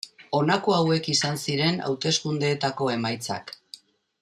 Honako hauek izan ziren hauteskundeetako emaitzak.